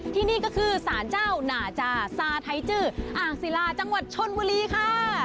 ที่นี่ก็คือสารเจ้าหนาจาซาไทยจื้ออ่างศิลาจังหวัดชนบุรีค่ะ